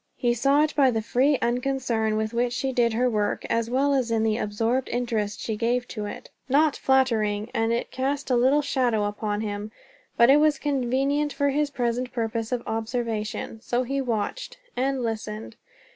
He saw it by the free unconcern with which she did her work, as well as in the absorbed interest she gave to it. Not flattering, and it cast a little shadow upon him, but it was convenient for his present purpose of observation. So he watched, and listened.